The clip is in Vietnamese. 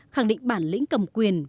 và trí tuệ cầm quyền